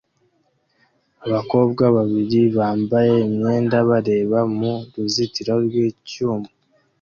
Abakobwa babiri bambaye imyenda bareba mu ruzitiro rw'icyuma